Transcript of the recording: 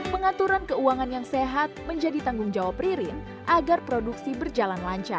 pengaturan keuangan yang sehat menjadi tanggung jawab ririn agar produksi berjalan lancar